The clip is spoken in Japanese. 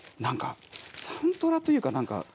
何かサントラというか何か。